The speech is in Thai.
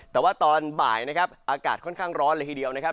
แต่ว่าตอนบ่ายนะครับอากาศค่อนข้างร้อนเลยทีเดียวนะครับ